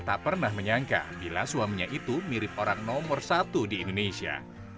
tak pernah menyangka bila suaminya itu mirip orang nomor satu di indonesia